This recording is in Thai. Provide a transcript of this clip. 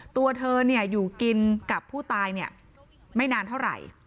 ตัวเธออยู่กินกับผู้ตายไม่นานเท่าไหร่